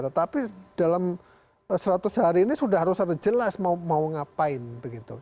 tetapi dalam seratus hari ini sudah harus ada jelas mau ngapain begitu